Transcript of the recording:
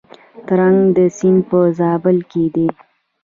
ترنک سیند په زابل کې دی؟